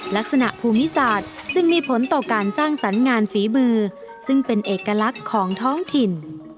ลักษณะภูมิศาสตร์จึงมีผลต่อการสร้างสรรค์งานฝีมือซึ่งเป็นเอกลักษณ์ของท้องถิ่น